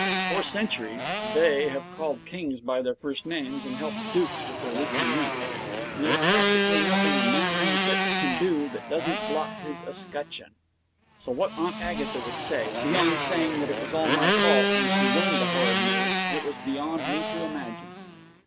For centuries they have called kings by their first names and helped dukes with their weekly rent; and there's practically nothing a Mannering Phipps can do that doesn't blot his escutcheon. So what Aunt Agatha would say beyond saying that it was all my fault when she learned the horrid news, it was beyond me to imagine.